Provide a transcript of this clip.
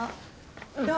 どう？